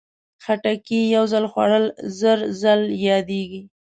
خټکی یو ځل خوړل، زر ځل یادېږي.